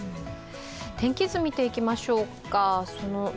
天気図見ていきましょうか。